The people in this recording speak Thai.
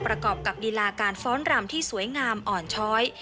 ประกอบกับลีลาการฟ้อนรำที่สวยงามอ่อนช้อย